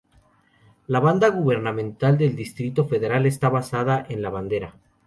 La banda gubernamental del Distrito Federal está basada en la bandera.